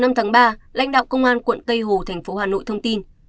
ngày năm tháng ba lãnh đạo công an quận tây hồ thành phố hà nội thông tin